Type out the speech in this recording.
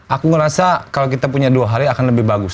aku ngerasa kalau kita punya dua hari akan lebih bagus